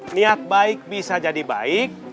niat baik bisa jadi baik